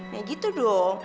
ya gitu dong